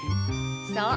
そう。